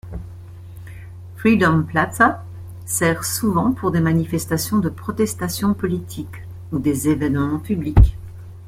Freedom Plaza sert souvent pour des manifestations de protestation politique ou des évènements publics.